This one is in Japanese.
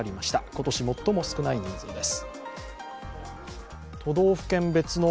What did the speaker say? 今年最も少ない人数です。